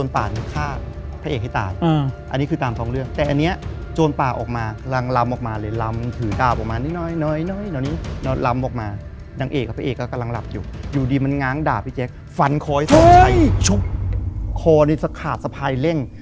เพื่อที่ให้โจรป่านก็ฆ่าพระเอกให้ตาย